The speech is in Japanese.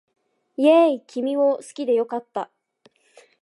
イェーイ君を好きで良かった